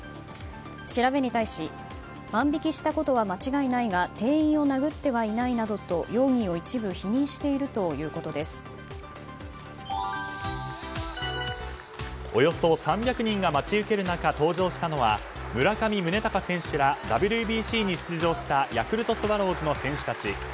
調べに対し万引きしたことは間違いないが店員を殴ってはいないなどと容疑を一部否認しているおよそ３００人が待ち受ける中登場したのは村上宗隆選手らＷＢＣに出場したヤクルトスワローズの選手たち。